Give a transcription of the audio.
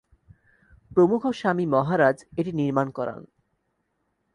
প্রমুখ স্বামী মহারাজ এটি নির্মাণ করান।